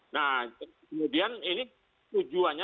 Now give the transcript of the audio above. nah kemudian ini tujuannya